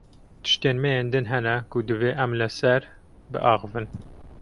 Tiştên me yên din hene ku divê em li ser biaxivin.